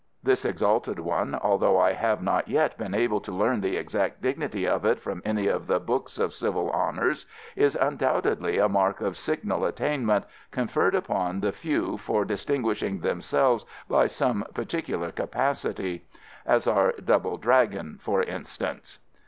This, exalted one, although I have not yet been able to learn the exact dignity of it from any of the books of civil honours, is undoubtedly a mark of signal attainment, conferred upon the few for distinguishing themselves by some particular capacity; as our Double Dragon, for instance.